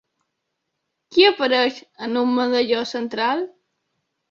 Qui apareix en un medalló central?